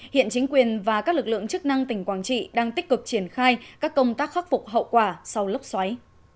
hiện chính quyền và các lực lượng chức năng tỉnh quảng trị đang tích cực triển khai các công tác khắc phục hậu quả sau lốc xoáy